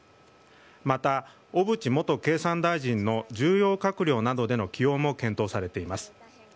また小渕元経産大臣の重要閣僚などでの起用も検討されています。